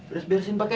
udah biarin si mbak ya